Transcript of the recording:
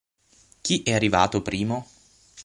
Chi è arrivato primo?